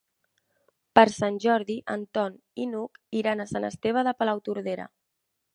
Per Sant Jordi en Ton i n'Hug iran a Sant Esteve de Palautordera.